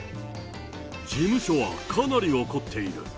事務所はかなり怒っている。